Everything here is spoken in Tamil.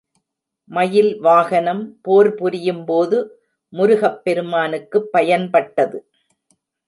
மயில் வாகனம், போர்புரியும்போது முருகப்பெருமானுக்குப் பயன்பட்டது.